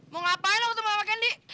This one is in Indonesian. mau ngapain lo ketemu sama candy